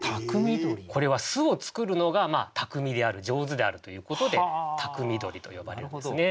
これは巣を作るのがたくみである上手であるということで「番匠鳥」と呼ばれるんですね。